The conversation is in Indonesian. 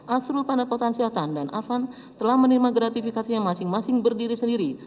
asrul pandat potansiatan dan arfan telah menerima gratifikasi yang masing masing berdiri sendiri